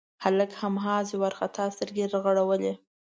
هلک هماغسې وارخطا سترګې رغړولې.